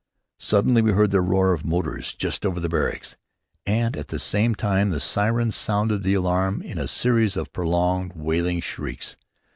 Suddenly we heard the roar of motors just over the barracks, and, at the same time, the siren sounded the alarm in a series of prolonged, wailing shrieks.